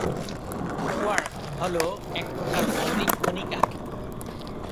Quark হলো একপ্রকার মৌলিক কণিকা।